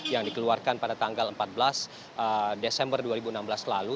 yang dikeluarkan pada tanggal empat belas desember dua ribu enam belas lalu